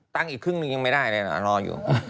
อีกครึ่งหนึ่งยังไม่ได้เลยนะรออยู่